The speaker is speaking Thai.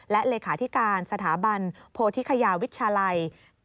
และเลขาธิการสถาบันโพธิคยาวิชาลัย